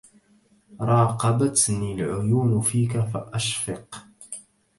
راقبتني العيون فيك فأشفق